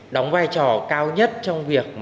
đóng vai trò cao nhất trong việc